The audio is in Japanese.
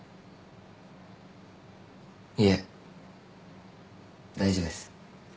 いえ大丈夫です。